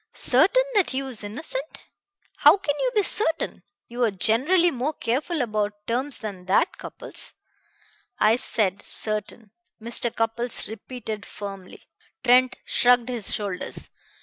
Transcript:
Certain that he was innocent! How can you be certain? You are generally more careful about terms than that, Cupples." "I said 'certain,'" Mr. Cupples repeated firmly. Trent shrugged his shoulders.